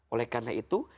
oleh karena itu